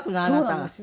あなたが。